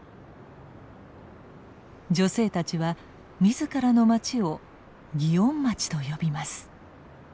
女性たちは自らの町を「祇園町」と呼びます。